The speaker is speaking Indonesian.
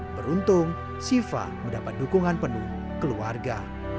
beruntung syifa mendapat dukungan penuh keluarga